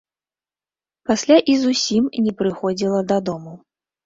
Пасля і зусім не прыходзіла дадому.